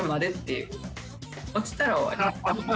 落ちたら終わり。